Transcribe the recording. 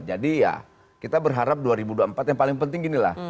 jadi ya kita berharap dua ribu dua puluh empat yang paling penting ginilah